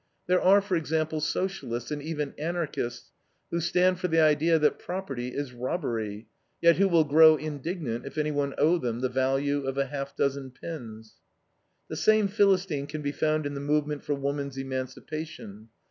There are, for example, Socialists, and even Anarchists, who stand for the idea that property is robbery, yet who will grow indignant if anyone owe them the value of a half dozen pins. The same Philistine can be found in the movement for woman's emancipation.